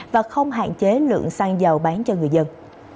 và không hạn chế lượng xăng dầu bán cho người dân